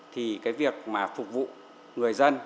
thì cái việc mà phục vụ người dân